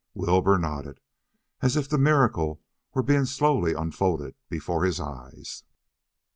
Wilbur nodded, as if the miracle were being slowly unfolded before his eyes.